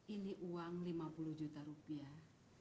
ini uang lima puluh juta rupiah